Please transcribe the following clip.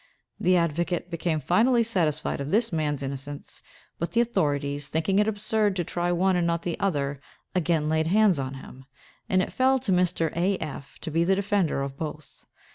The advocate became finally satisfied of this man's innocence; but the authorities, thinking it absurd to try one and not the other, again laid hands on him: and it fell to Mr. A—— F—— to be the defender of both.